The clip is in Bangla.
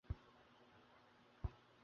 প্রকৃতি সবসময়ই মজার খেলা খেলছে।